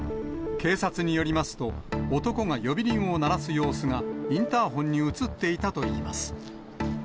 警察によりますと、男が呼び鈴を鳴らす様子がインターホンに写っていたといいます。